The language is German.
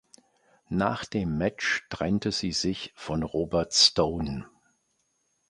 Nach dem Match trennte sie sich von Robert Stone.